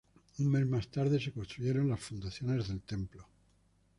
Un mes más tarde se construyeron las fundaciones del templo.